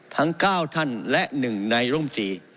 ทั้ง๙ท่านและ๑ในร่มตรี